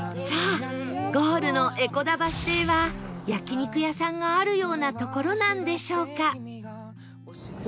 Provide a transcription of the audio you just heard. さあゴールの江古田バス停は焼肉屋さんがあるような所なんでしょうか？